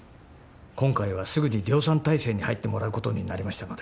今回はすぐに量産態勢に入ってもらうことになりましたので。